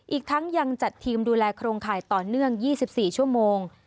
อีกทั้งยังจัดทีมดูแลโครงข่ายต่อเนื่อง๒๔ชั่วโมง